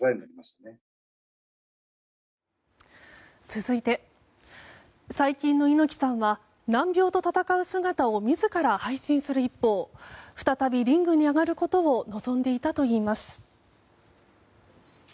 続いて、最近の猪木さんは難病と闘う姿を自ら配信する一方再びリングに上がることを望んでいたといいます。